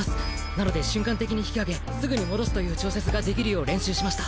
なので瞬間的に引き上げすぐに戻すという調節が出来るよう練習しました。